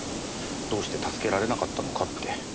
どうして助けられなかったのかって。